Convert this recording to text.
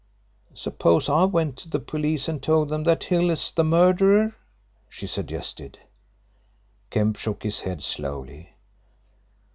"Suppose I went to the police and told them that Hill is the murderer?" she suggested. Kemp shook his head slowly.